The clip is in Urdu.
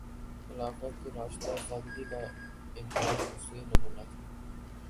خلافت راشدہ سادگی کا انتہائی حسین نمونہ تھی۔